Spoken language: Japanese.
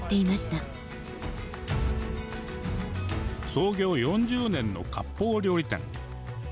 創業４０年のかっぽう料理店。